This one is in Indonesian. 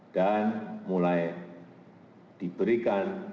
dan mulai diberikan